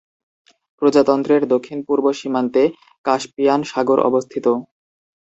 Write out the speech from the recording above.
প্রজাতন্ত্রের দক্ষিণ-পূর্ব সীমান্তে কাস্পিয়ান সাগর অবস্থিত।